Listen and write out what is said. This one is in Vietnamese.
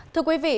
thưa quý vị